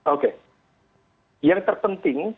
oke yang terpenting